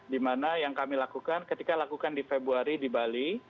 dimana yang kami lakukan ketika lakukan di februari di bali